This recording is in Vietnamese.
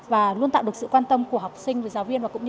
và luôn tạo được sự quan tâm của học sinh